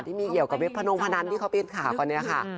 ที่มีเกี่ยวกับเว็บพนมพนันที่เขาปิดข่าวกันเนี่ยค่ะ